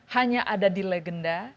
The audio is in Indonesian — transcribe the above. hanya ada di legenda